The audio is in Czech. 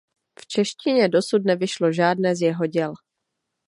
V češtině dosud nevyšlo žádné z jeho děl.